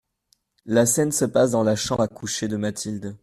La scène se passe dans la chambre à coucher de Mathilde.